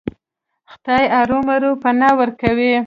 خدای ارومرو پناه ورکوي.